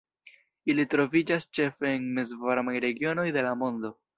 Ili troviĝas ĉefe en mezvarmaj regionoj de la mondo.